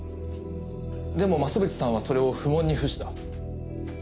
でも増渕さんはそれを不問に付した。